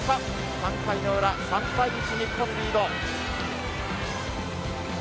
３回裏、３対１日本リード。